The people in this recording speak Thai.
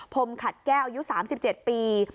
พรหมขัดแก้อายุ๓๗ปี